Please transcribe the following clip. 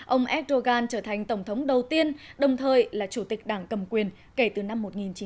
ông erdogan trở thành tổng thống đầu tiên đồng thời là chủ tịch đảng cầm quyền kể từ năm một nghìn chín trăm chín mươi